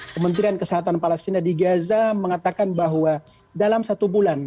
kementerian kesehatan palestina di gaza mengatakan bahwa dalam satu bulan